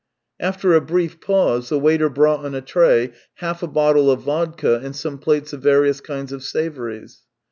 After a brief pause the waiter brought on a tray half a bottle of vodka and some plates of various kinds of savouries.